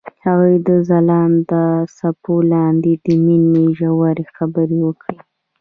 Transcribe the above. هغوی د ځلانده څپو لاندې د مینې ژورې خبرې وکړې.